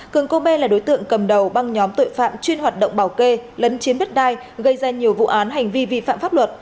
cường cô bê là đối tượng cầm đầu băng nhóm tội phạm chuyên hoạt động bảo kê lấn chiếm đất đai gây ra nhiều vụ án hành vi vi phạm pháp luật